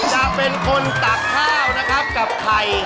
จะเป็นคนตักข้าวนะครับกับไข่